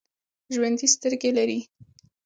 ژوندي سترګې لري